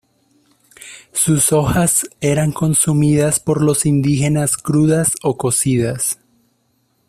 Sus hojas eran consumidas por los indígenas crudas o cocidas.